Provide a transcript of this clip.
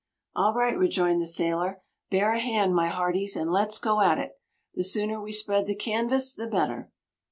"All right!" rejoined the sailor. "Bear a hand, my hearties, and let's go at it! The sooner we spread the canvas the better."